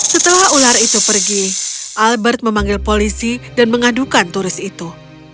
setelah ular itu pergi albert memanggil polisi dan mengadukan turis itu